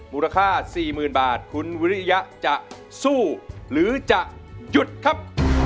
มูลค่า๔๐๐๐บาทคุณวิริยะจะสู้หรือจะหยุดครับ